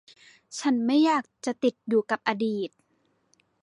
ฉันไม่อยากจะติดอยู่กับอดีต